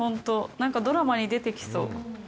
なんか、ドラマに出てきそう。